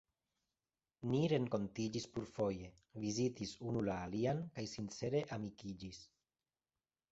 Ni renkontiĝis plurfoje, vizitis unu la alian kaj sincere amikiĝis.